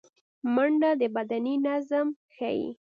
منډه د بدني نظم ښيي